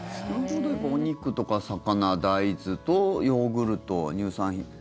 お肉とか魚、大豆とヨーグルト、乳酸品。